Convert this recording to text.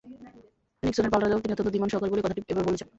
নিক্সনের পাল্টা জবাব, তিনি অত্যন্ত ধীমান সহকারী বলেই কথাটি এভাবে বলেছেন।